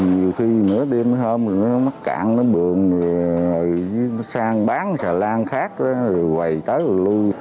nhiều khi nửa đêm hôm rồi nó mắc cạn nó bường rồi nó sang bán xà lan khác rồi quầy tới rồi lui